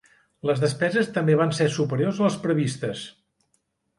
Les despeses també van ser superiors a les previstes.